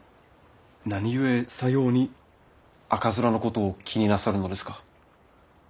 何故さように赤面のことを気になさるのですか？